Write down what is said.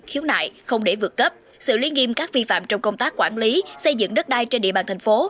khiếu nại không để vượt cấp sự liên nghiêm các vi phạm trong công tác quản lý xây dựng đất đai trên địa bàn thành phố